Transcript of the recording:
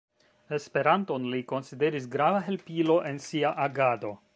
Esperanton li konsideris grava helpilo en sia agado.